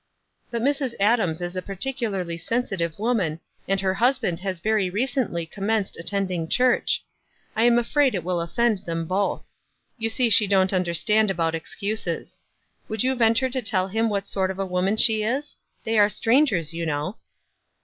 "But Mrs. Adams is a particularly sensitive woman, and her husband has very recently com menced attending church. 1 am afraid it will offend them both. You see she don't under stand about excuses. Would you venture to tell him what sort of a woman she is? They are strangers, you know."